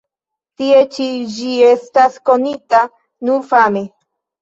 Tie ĉi ĝi estas konita nur fame.